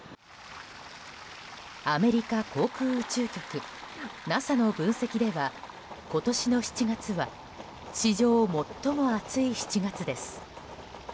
アメリカ航空宇宙局・ＮＡＳＡの分析では今年の７月は史上最も暑い７月です。